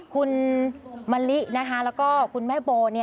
คุณมะลินะคะแล้วก็คุณแม่โบ